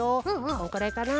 このくらいかな。